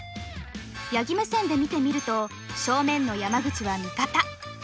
八木目線で見てみると正面の山口は味方。